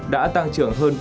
đã tăng trưởng hơn bốn mươi ba